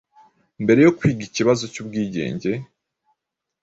mbere yo kwiga ikibazo cy'ubwigenge: